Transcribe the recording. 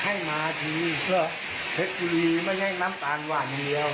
ให้มาดีเพชรบุรีไม่ได้น้ำตาลหวานเดียว